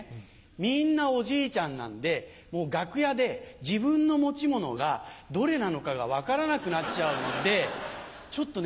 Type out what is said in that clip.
みんなおじいちゃんなんでもう楽屋で自分の持ち物がどれなのかが分からなくなっちゃうのでちょっとね